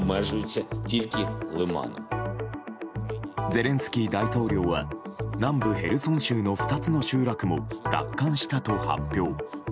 ゼレンスキー大統領は南部ヘルソン州の２つの集落も奪還したと発表。